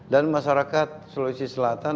dan masyarakat sulawesi selatan